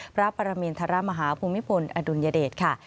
พระปรมินทรมาฮภูมิพลอดุลยเดชค่ะ